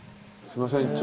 すみません